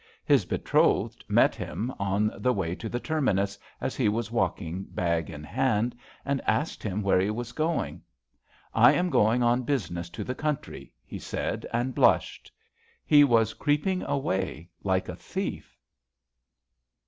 His betrothed met him on the JOHN SHERMAN. way to the terminus, as he was walking, bag in hand, and asked where he was going. " I am going on business to the country,' 7 he said, and blushed. He creeping away like a thief.